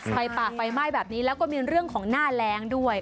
ไฟป่าไฟไหม้แบบนี้แล้วก็มีเรื่องของหน้าแรงด้วย